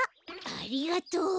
ありがとう。